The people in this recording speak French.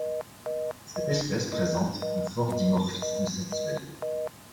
Cette espèce présente un fort dimorphisme sexuel.